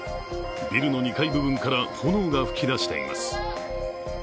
ビルの２階部分から炎が噴き出しています。